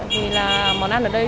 vì là món ăn ở đây